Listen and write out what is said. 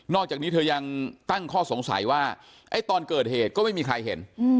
อกจากนี้เธอยังตั้งข้อสงสัยว่าตอนเกิดเหตุก็ไม่มีใครเห็น